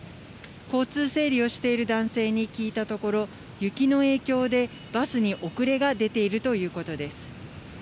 交通整理をしている男性に聞いたところ、雪の影響でバスに遅れが出ているということです。